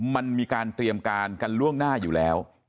มันมีการเตรียมการกันล่วงหน้าอยู่แล้ว